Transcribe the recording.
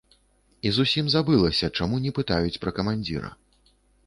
І зусім забылася, чаму не пытаюць пра камандзіра.